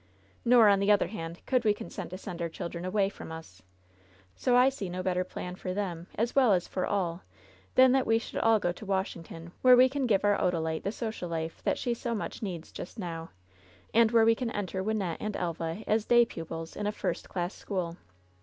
Nor, on the other hand, could we consent to send our children away from us. So I see no better plan for them, as well as for all, than that we should all go to Washington, where we can give our Odalite the social life that she so much needs just now, and where we can enter Wynnette and Elva as day pupils in a first class school.'